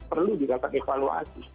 perlu dilakukan evaluasi